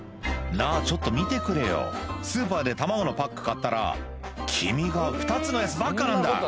「なぁちょっと見てくれよスーパーで卵のパック買ったら黄身が２つのやつばっかなんだ」